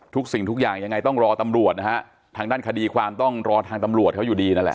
สิ่งทุกอย่างยังไงต้องรอตำรวจนะฮะทางด้านคดีความต้องรอทางตำรวจเขาอยู่ดีนั่นแหละ